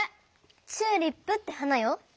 チューリップって花よ。